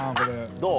どう？